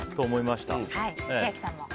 千秋さんも。